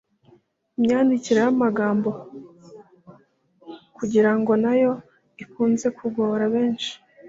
Imyandikire y’amagambo “kugira ngo” na yo ikunze kugora benshi